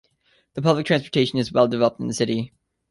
The public transportation is well developed in the city.